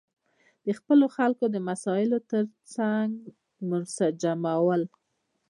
د خپلو خلکو د مسایلو ترڅنګ منسجمول.